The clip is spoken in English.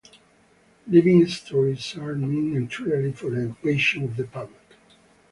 Living histories are meant entirely for education of the public.